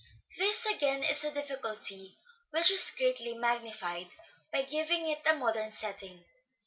This again is a difficulty which is greatly magnified by giving it a modern setting.